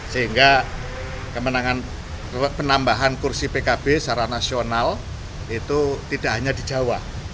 sehingga penambahan kursi pkb secara nasional itu tidak hanya di jawa